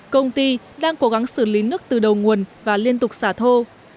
công ty đang cố gắng xử lý nước từ đầu nguồn và liên tục xả thô